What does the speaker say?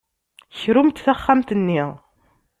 Krumt taxxamt-nni.